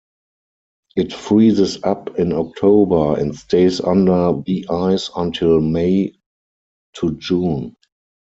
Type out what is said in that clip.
It freezes up in October and stays under the ice until May-June.